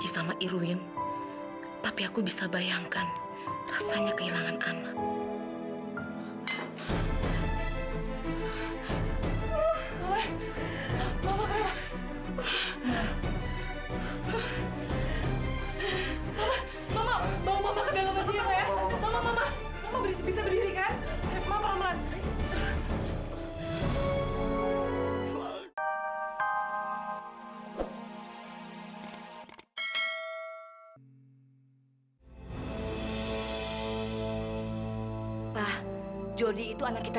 sampai jumpa di video selanjutnya